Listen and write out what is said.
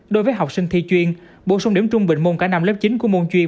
đối với học sinh thi chuyên bổ sung điểm trung bình môn cả năm lớp chín của môn chuyên